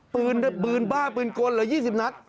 ปืนบ้าปืนกลเหลือ๒๐นัด